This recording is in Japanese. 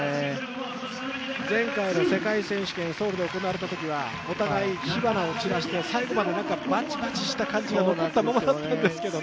前回の世界選手権ソウルで行われたときには、お互い、火花を散らして最後までバチバチした感じが残ったままだったんですけどね。